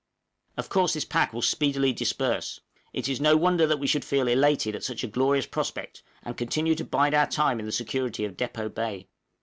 Of course this pack will speedily disperse; it is no wonder that we should feel elated at such a glorious prospect, and content to bide our time in the security of Depôt Bay.